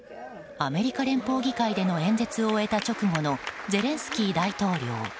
アメリカ連邦議会での演説を終えた直後のゼレンスキー大統領。